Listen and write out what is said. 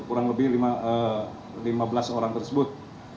kurang lebih lima belas orang tersebut